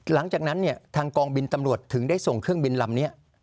หลังจากนั้นเนี่ยทางกองบินตำรวจถึงได้ส่งเครื่องบินลำนี้